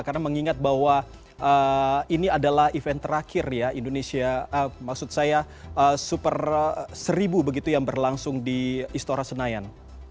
karena mengingat bahwa ini adalah event terakhir ya indonesia maksud saya super seribu begitu yang berlangsung di istora senayan